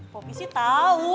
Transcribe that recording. popi sih tau